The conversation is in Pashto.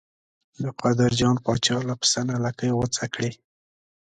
د قادر جان پاچا له پسه نه لکۍ غوڅه کړې.